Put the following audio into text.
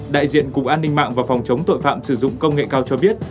đại diện cục an ninh mạng và phòng chống tội phạm sử dụng công nghệ cao cho biết